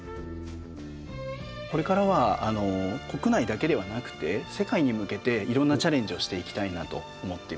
これからは国内だけではなくて世界に向けていろんなチャレンジをしていきたいなと思っています。